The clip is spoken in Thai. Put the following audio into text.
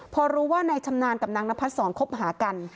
พอรู้ว่านายชำนาญกับนางนพัดศรคบหากัน